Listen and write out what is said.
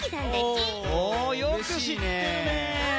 およくしってるね。